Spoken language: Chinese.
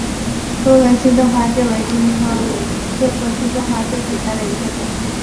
多孔新正花介为荆花介科新正花介属下的一个种。